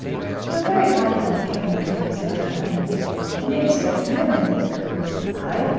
"You are very hard upon the king, my dear Monsieur d'Artagnan and yet you scarcely know him." "I!